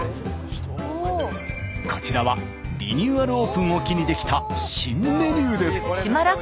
こちらはリニューアルオープンを機に出来た新メニューです。